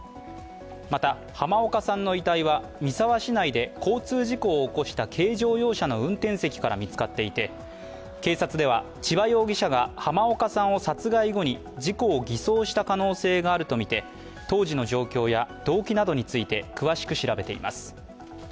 また、濱岡さんの遺体は三沢市内で交通事故を起こした軽乗用車の運転席から見つかっていて、警察では千葉容疑者が濱岡さんを殺害後に事故を偽装した可能性があるとみて当時の状況や動機などについて詳しく調べています。